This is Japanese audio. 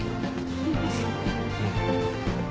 うん。